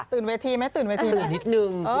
ตื่นเวทีไหมตื่นเวทีไหมตื่นนิดหนึ่งเออ